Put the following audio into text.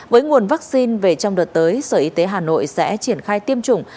với nguồn vaccine về trong đợt tới sở y tế hà nội sẽ triển khai tiêm chủng